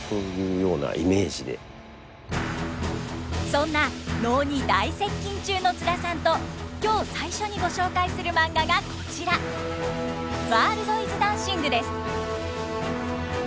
そんな能に大接近中の津田さんと今日最初にご紹介するマンガがこちら「ワールドイズダンシング」です。